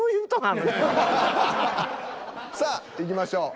さあいきましょう。